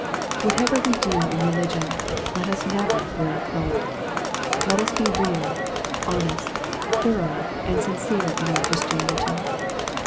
Whatever we do in religion, let us never wear a cloak. Let us be real, honest, thorough, and sincere in our Christianity.